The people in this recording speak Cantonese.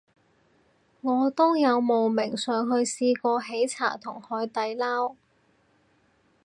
我都有慕名上去試過喜茶同海底撈